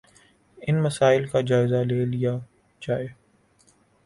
ان مسائل کا جائزہ لے لیا جائے